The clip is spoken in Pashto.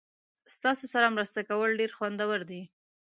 ستاسو سره مرسته کول ډیر خوندور دي.